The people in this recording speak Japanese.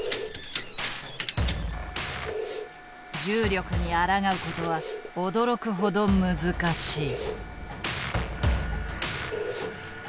重力にあらがうことは驚くほど難しい。